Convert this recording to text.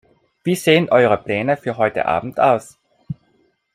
Wie sehen eure Pläne für heute Abend aus?